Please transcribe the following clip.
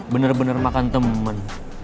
bener bener makan temen